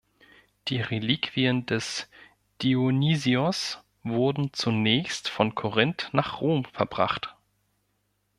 Die Reliquien des Dionysios wurden zunächst von Korinth nach Rom verbracht.